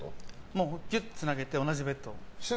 もう、ギュッとつなげて同じベッドを。